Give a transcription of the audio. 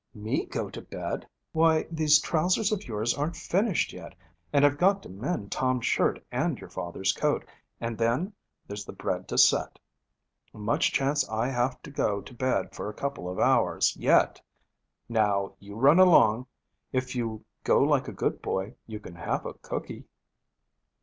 'Me go to bed! Why these trousers of yours aren't finished yet and I've got to mend Tom's shirt and your father's coat, and then there's the bread to set. Much chance I have to go to bed for a couple of hours, yet! Now you run along. If you go like a good boy, you can have a cooky.'